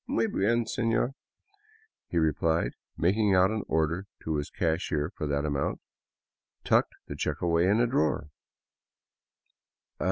" Muy bien, senor," he replied, and making out an order to his cashier for that amount, tucked the check away in a drawer.